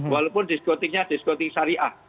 walaupun diskotiknya diskotik syariah